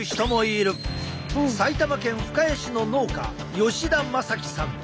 埼玉県深谷市の農家吉田将城さん。